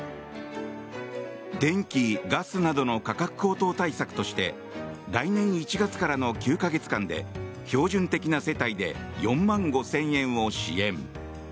電気・ガスなどの価格高騰対策として来年１月からの９か月間で標準的な世帯で４万５０００円を支援。